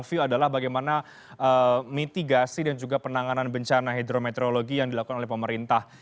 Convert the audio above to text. review adalah bagaimana mitigasi dan juga penanganan bencana hidrometeorologi yang dilakukan oleh pemerintah